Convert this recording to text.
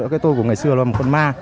cái tôi của ngày xưa là một con ma